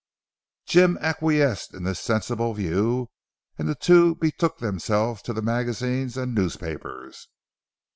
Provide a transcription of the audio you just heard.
Jim acquiesced in this sensible view and the two betook themselves to the magazines and newspapers.